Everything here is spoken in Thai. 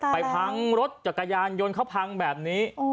พังรถจักรยานยนต์เขาพังแบบนี้